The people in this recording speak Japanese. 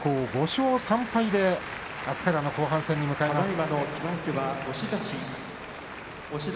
５勝３敗であすからの後半戦に向かいます。